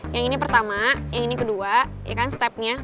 yang ini pertama yang ini kedua ya kan stepnya